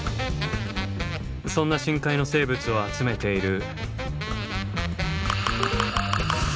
そんな深海の生物を集めている。